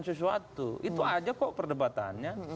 sesuatu itu aja kok perdebatannya